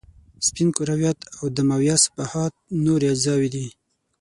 سپین کرویات او دمویه صفحات نورې اجزاوې دي.